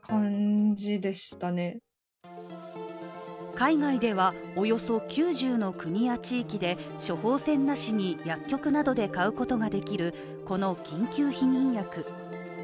海外では、およそ９０の国や地域で処方箋なしに薬局などで買うことができるこの緊急避妊薬。